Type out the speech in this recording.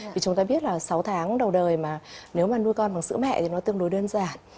thì chúng ta biết là sáu tháng đầu đời mà nếu mà nuôi con bằng sữa mẹ thì nó tương đối đơn giản